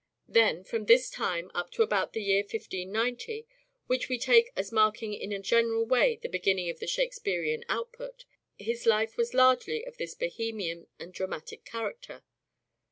Then, from this time up to about the year 1590, which we take as marking in a general way the beginning of the Shakespearean output, his life was largely of this Bohemian and dramatic character.